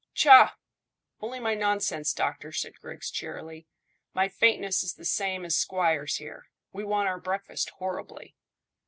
"Tchah! Only my nonsense, doctor," said Griggs cheerily. "My faintness is the same as squire's here. We want our breakfast horribly."